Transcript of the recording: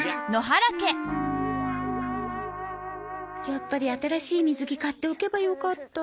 やっぱり新しい水着買っておけばよかった。